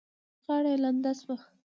غاړه يې لنده شوه.